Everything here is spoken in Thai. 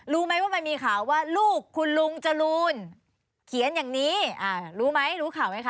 รู้ไหมว่ามันมีข่าวว่าลูกคุณลุงจรูนเขียนอย่างนี้รู้ไหมรู้ข่าวไหมคะ